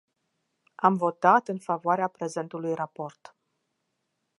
Am votat în favoarea prezentului raport.